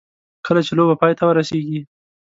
کله چې لوبه پای ته ورسېږي.